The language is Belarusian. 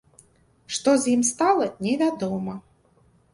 Што з ім стала, невядома.